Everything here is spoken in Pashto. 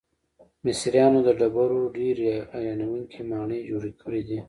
مصریانو د ډبرو ډیرې حیرانوونکې ماڼۍ جوړې کړې دي.